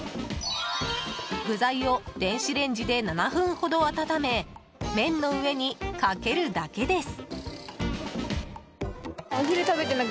具材を電子レンジで７分ほど温め麺の上にかけるだけです。